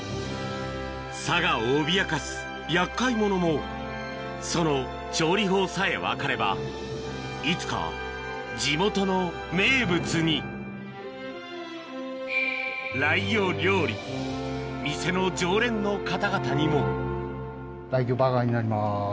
佐賀を脅かす厄介者もその調理法さえ分かればいつか地元の名物にライギョ料理店の常連の方々にもライギョバーガーになります。